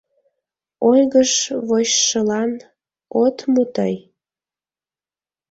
Ойгыш вочшылан, от му тый?